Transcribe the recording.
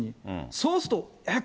そうすると、えっ？